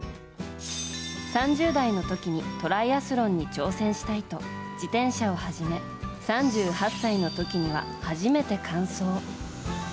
３０代の時にトライアスロンに挑戦したいと自転車を始め３８歳の時には初めて完走。